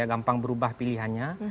gampang berubah pilihannya